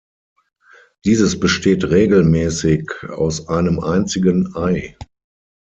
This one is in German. Dieses besteht regelmäßig aus einem einzigen Ei.